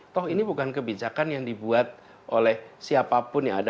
toh ini bukan kebijakan yang dibuat oleh siapapun yang ada